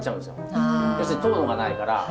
要するに糖度がないから。